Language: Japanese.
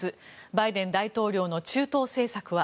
バイデン大統領の中東政策は？